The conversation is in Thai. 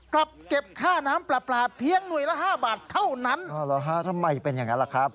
กลับเก็บค่าน้ำปลาปลาเพียงหน่วยละห้าบาทเท่านั้นอ๋อเหรอฮะทำไมเป็นอย่างนั้นล่ะครับ